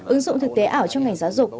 ứng dụng thực tế ảo trong ngành giáo dục